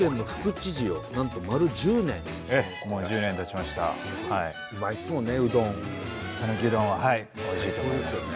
讃岐うどんははいおいしいと思いますね。